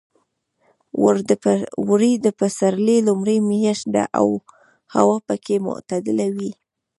وری د پسرلي لومړۍ میاشت ده او هوا پکې معتدله وي.